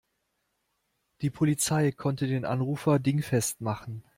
Die Polizei konnte den Anrufer dingfest machen.